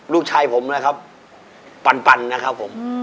ลูกชายผมนะครับปันนะครับผม